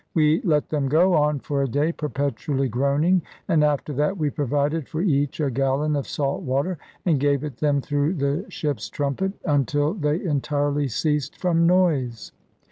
We let them go on for a day, perpetually groaning, and after that we provided for each a gallon of salt water, and gave it them through the ship's trumpet, until they entirely ceased from noise.